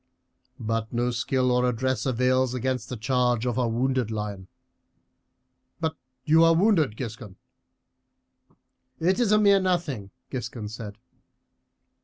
But no skill or address avails against the charge of a wounded lion. But you are wounded, Giscon." "It is a mere nothing," Giscon said.